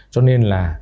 cho nên là